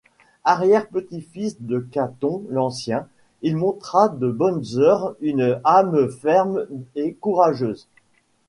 Arrière-petit-fils de Caton l'Ancien, il montra de bonne heure une âme ferme et courageuse.